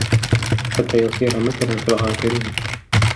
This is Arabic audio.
حَتَّى يَصِيرَ مَثَلًا فِي الْغَابِرِينَ